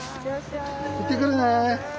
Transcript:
行ってくるね！